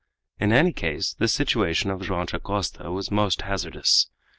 In any case, the situation of Joam Dacosta was most hazardous.